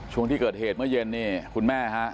ช่วงที่เกิดเหตุเมื่อเย็นนี่คุณแม่ฮะ